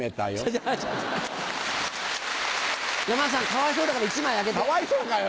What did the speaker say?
かわいそうだから１枚あげて。